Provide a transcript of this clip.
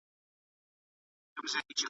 خپل مېړه يې خواږه خوب لره بلا سوه `